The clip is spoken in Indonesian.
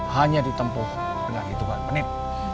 hanya ditempuh dengan hitungan menit